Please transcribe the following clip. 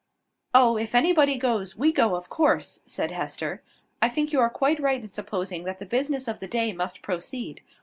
"Oh, if anybody goes, we go, of course," said Hester. "I think you are quite right in supposing that the business of the day must proceed.